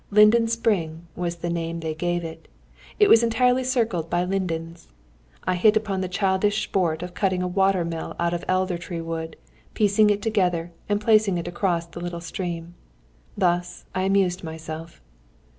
"Linden spring" was the name they gave it. It was entirely circled by lindens. I hit upon the childish sport of cutting a water mill out of elder tree wood, piecing it together, and placing it across the little stream. Thus I amused myself.